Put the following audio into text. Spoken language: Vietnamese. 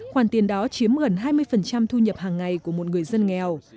khoản tiền đó chiếm gần hai mươi thu nhập hàng ngày của một người dân nghèo